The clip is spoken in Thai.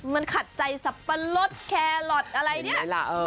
มันขัดใจสับปะรดแครอทอะไรเนี่ย